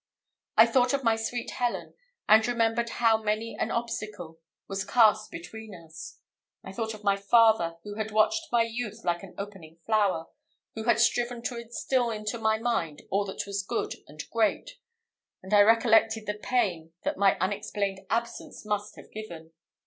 I thought of my sweet Helen, and remembered how many an obstacle was cast between us. I thought of my father, who had watched my youth like an opening flower, who had striven to instil into my mind all that was good and great, and I recollected the pain that my unexplained absence must have given.